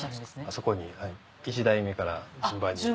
あそこに１代目から順番に。